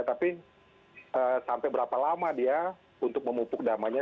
tapi sampai berapa lama dia untuk memupuk damanya